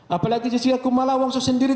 apalagi jessica kumala wong soma sendiri